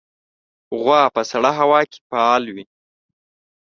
غوا په سړه هوا کې فعال وي.